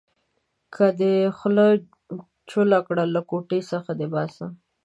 که دې خوله چوله کړه؛ له کوټې څخه دې باسم.